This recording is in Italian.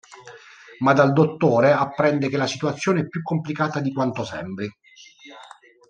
Ma dal dottore apprende che la situazione è più complicata di quanto sembri.